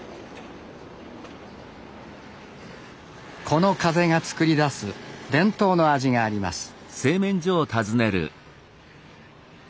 この風が作り出す伝統の味があります。